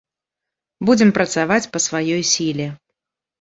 Будзем працаваць па сваёй сіле.